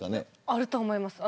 あると思います。